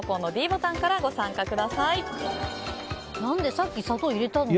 さっき砂糖入れたのに。